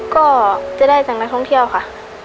ก็จะได้จากนักท่องเที่ยวค่ะ